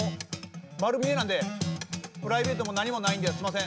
丸見えなんでプライベートも何もないんですいません